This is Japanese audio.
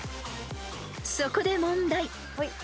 ［そこで問題］